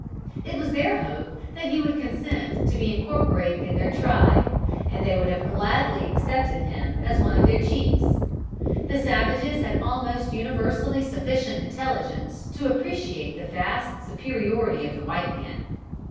It was their hope that he would consent to be incorporated in their tribe, and they would gladly have accepted him as one of their chiefs. The savages had almost universally sufficient intelligence to appreciate the vast superiority of the white man.